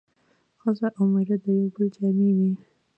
ښځه او مېړه د يو بل جامې وي